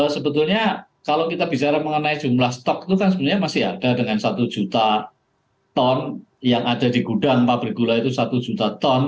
sebetulnya kalau kita bicara mengenai jumlah stok itu kan sebenarnya masih ada dengan satu juta ton yang ada di gudang pabrik gula itu satu juta ton